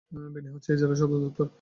বেনি হচ্ছে এই জেলার সদরদপ্তর।